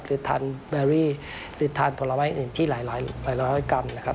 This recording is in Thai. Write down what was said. คือทานแบรี่หรือทานผลไม้อื่นที่หลายร้อยกรัมนะครับ